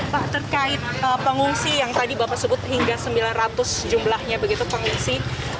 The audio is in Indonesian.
pak terkait pengungsi yang tadi bapak sebut hingga sembilan ratus jumlahnya begitu pengungsi